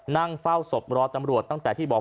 นั่งเฝ้าศพรอตำรวจตั้งแต่ที่บอก